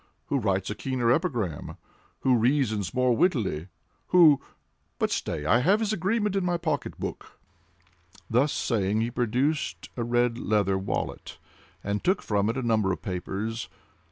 Who writes a keener epigram? Who reasons more wittily? Who—but stay! I have his agreement in my pocket book." Thus saying, he produced a red leather wallet, and took from it a number of papers.